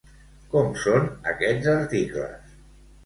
Com són aquests articles?